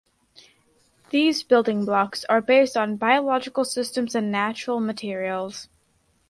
These building blocks are based on biological systems and natural materials.